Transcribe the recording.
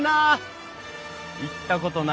行ったことないけど。